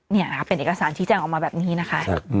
นี่ค่ะเป็นเอกสารชี้แจ้งออกมาแบบนี้นะคะ